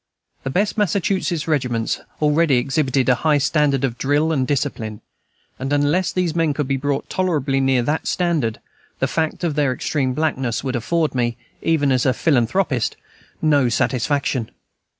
The best Massachusetts regiments already exhibited a high standard of drill and discipline, and unless these men could be brought tolerably near that standard, the fact of their extreme blackness would afford me, even as a philanthropist, no satisfaction.